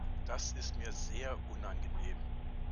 Das ist mir sehr unangenehm.